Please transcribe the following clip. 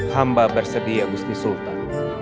hamba bersedia usti sultan